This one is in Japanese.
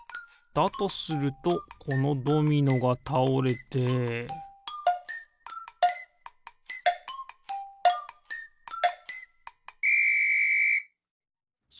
だとするとこのドミノがたおれてピッ！